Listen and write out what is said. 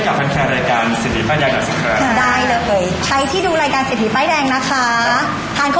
ขอปอนตมชาติให้กับแฟนแคร์รายการ